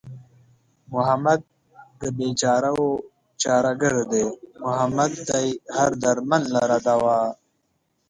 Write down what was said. محمد د بېچارهوو چاره گر دئ محمد دئ هر دردمند لره دوا